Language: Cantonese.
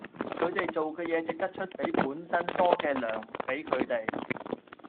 佢地做既野值得岀比本身多既糧比佢地